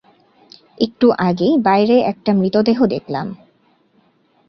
একটু আগেই বাহিরে একটা মৃতদেহ দেখলাম।